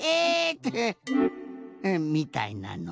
ってみたいなの。